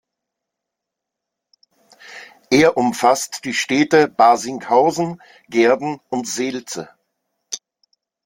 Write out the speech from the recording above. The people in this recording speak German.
Er umfasst die Städte Barsinghausen, Gehrden und Seelze.